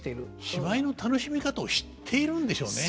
芝居の楽しみ方を知っているんでしょうね。